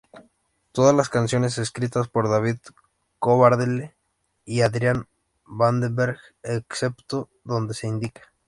Todas las canciones escritas por David Coverdale y Adrian Vandenberg excepto donde se indica.